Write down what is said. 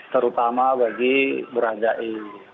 terutama bagi berada e